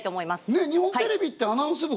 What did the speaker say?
ねえ日本テレビってアナウンス部